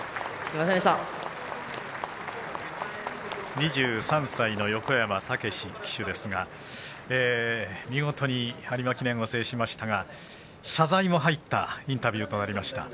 ２３歳の横山武史騎手ですが見事に有馬記念を制しましたが謝罪も入ったインタビューとなりました。